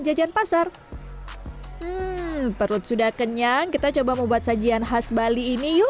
jajan pasar perut sudah kenyang kita coba membuat sajian khas bali ini yuk